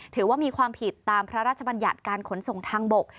ถือว่ามีความผิดตามพระราชบัญญัติการขนส่งทางบก